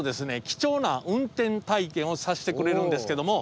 貴重な運転体験をさしてくれるんですけども。